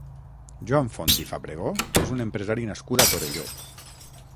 Joan Font i Fabregó és un empresari nascut a Torelló.